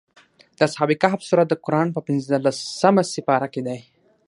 د اصحاب کهف سورت د قران په پنځلسمه سېپاره کې دی.